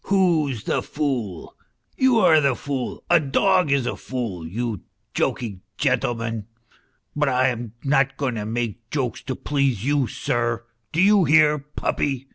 " Who's the fool ? You are the fool, a dog is a fool, you joking gentleman. But I am not going to make jokes to please you, sir ; do you hear, puppy